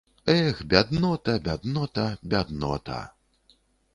Эх, бяднота, бяднота, бяднота!